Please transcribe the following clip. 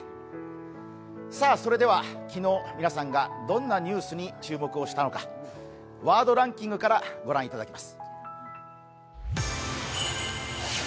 昨日、皆さんがどんなニュースに注目をしたのかワードランキングから御覧いただきます。